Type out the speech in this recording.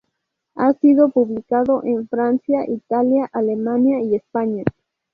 Ha sido publicado en Francia, Italia, Alemania y España.